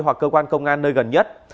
hoặc cơ quan công an nơi gần nhất